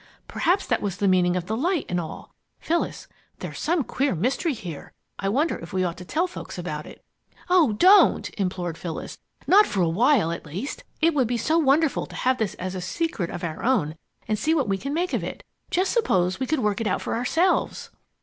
Perhaps that was the meaning of the light and all. Phyllis, there's some queer mystery here! I wonder if we ought to tell folks about it?" "Oh don't!" implored Phyllis. "Not for a while, at least. It would be so wonderful to have this as a secret of our own and see what we can make of it. Just suppose we could work it out for ourselves!"